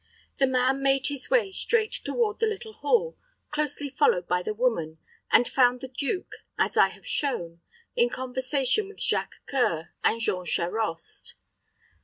The man made his way straight toward the little hall, closely followed by the woman, and found the duke, as I have shown, in conversation with Jacques C[oe]ur and Jean Charost.